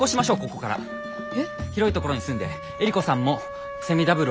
・広いところに住んでエリコさんもセミダブルを買う。